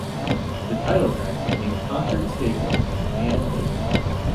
The title track became a concert staple, and fan favorite.